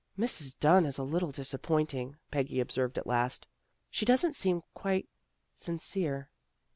" Mrs. Dunn is a little disappointing," Peggy observed at last. " She doesn't seem quite sincere."